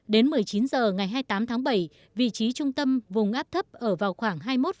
đến một mươi chín giờ ngày hai mươi tám tháng bảy vị trí trung tâm vùng ấp thấp ở vào khoảng hai mươi một bốn